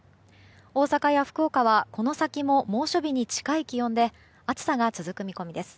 大阪や福岡はこの先も猛暑日に近い気温で暑さが続く見込みです。